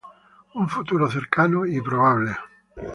Un futuro cercano y probable.